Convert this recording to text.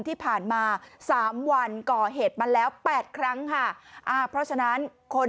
ที่ผ่านมาสามวันก่อเหตุมาแล้วแปดครั้งค่ะอ่าเพราะฉะนั้นคน